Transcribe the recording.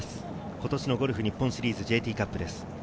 今年のゴルフ日本シリーズＪＴカップです。